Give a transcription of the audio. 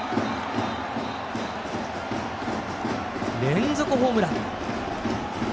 連続ホームラン！